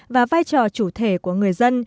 và vai trò chủ thể của nông thôn